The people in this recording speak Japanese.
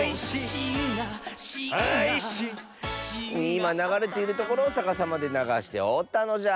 いまながれているところをさかさまでながしておったのじゃ。